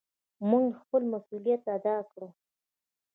مونږ خپل مسؤليت ادا کړ.